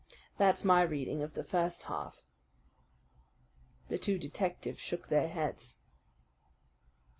That's my reading of the first half." The two detectives shook their heads.